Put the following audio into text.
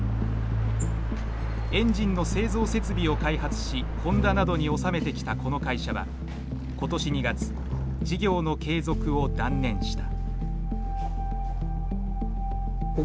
エンジンの製造設備を開発しホンダなどに納めてきたこの会社は今年２月事業の継続を断念した。